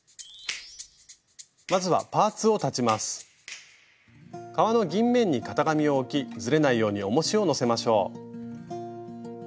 まずは革の銀面に型紙を置きずれないようにおもしをのせましょう。